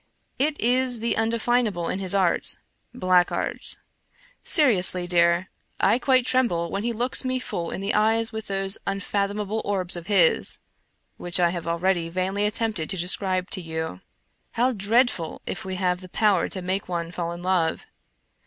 It is the undefinable in his art — black art. Seriously, dear, I quite tremble when he looks me full in the eyes with those unfathomable orbs of his, which I have already vainly at tempted to describe to you. How dreadful if we have the power to make one fall in love